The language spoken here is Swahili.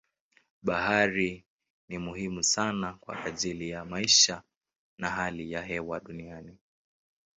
Bahari ni muhimu sana kwa ajili ya maisha na hali ya hewa duniani.